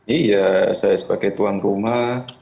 iya saya sebagai tuan rumah